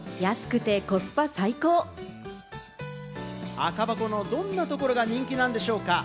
赤箱のどんなところが人気なんでしょうか？